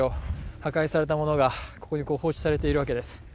破壊されたものが、ここに放置されているわけです。